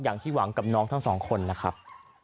อย่างที่หวังกับน้องทั้งสองคนนะครับ